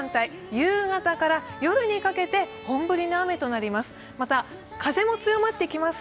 夕方から夜にかけて本降りの雨となります。